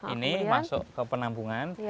ini masuk ke penampungan